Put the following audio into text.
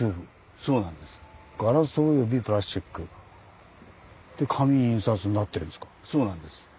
そうなんです。